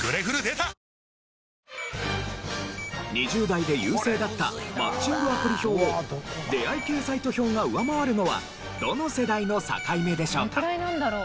２０代で優勢だったマッチングアプリ票を出会い系サイト票が上回るのはどの世代の境目でしょうか？